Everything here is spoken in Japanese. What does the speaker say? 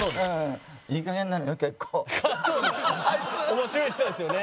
面白い人ですよね。